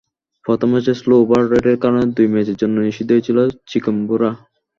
প্রথম ম্যাচে slow over রেটের কারণে দুই ম্যাচের জন্য নিষিদ্ধ হয়েছেন চিগুম্বুরা।